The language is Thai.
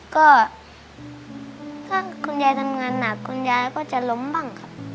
ก็ถ้าคุณยายทำงานหนักคุณยายก็จะล้มบ้างครับ